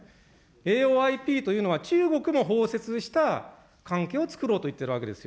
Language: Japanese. ＡＯＩＰというのは、中国も包摂した関係を作ろうといってるわけですよ。